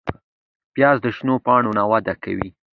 پیاز د شنو پاڼو نه وده کوي